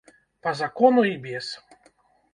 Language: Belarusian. Па закону і без.